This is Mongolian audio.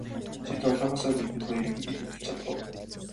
Чи долоогоосоо бидэнд хоёрыг илүүчилж чадах уу.